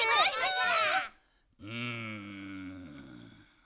うん。